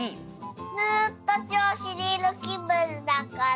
ずっとちょうしにいるきぶんだから。